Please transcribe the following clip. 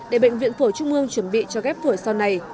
để bệnh viện phổi trung ương chuẩn bị cho ghép phổi sau này